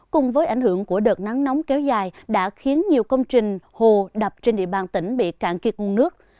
cùng với ảnh hưởng của đợt nắng nóng kéo dài đã khiến nhiều công trình hồ đập trên địa bàn tỉnh bị cạn kiệt nguồn nước